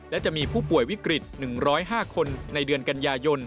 และจะมีผู้ป่วยวิกฤต๑๐๕คนในเดือนกันยายน